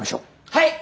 はい！